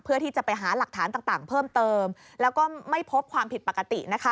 เพื่อที่จะไปหาหลักฐานต่างเพิ่มเติมแล้วก็ไม่พบความผิดปกตินะคะ